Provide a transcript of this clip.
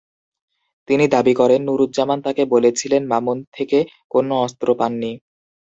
তিনি দাবি করেন, নুরুজ্জামান তাঁকে বলেছিলেন মামুন থেকে কোনো অস্ত্র পাননি।